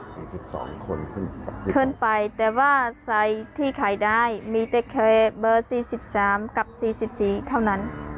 ถึงสิบสองคนขึ้นไปขึ้นไปแต่ว่าไซส์ที่ขายได้มีแต่แค่เบอร์สี่สิบสามกับสี่สิบสี่เท่านั้น